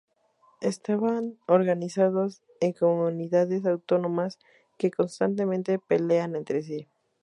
Estaban organizados en comunidades autónomas que constantemente peleaban entre sí.